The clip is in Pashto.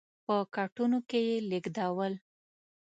په کټونو کې یې لېږدول.